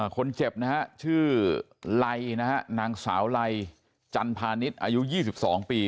คนเจ็บชื่อลัยนางสาวลัยจันทร์พาณิชย์อายุ๒๒ปี